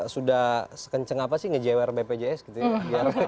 sudah sekenceng apa sih nge jwr bpjs gitu ya